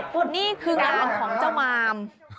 นี่คืองานของเจ้ามาม